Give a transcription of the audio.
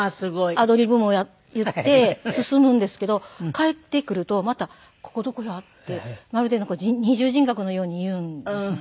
アドリブも言って進むんですけど帰ってくるとまた「ここどこや？」ってまるでなんか二重人格のように言うんですね。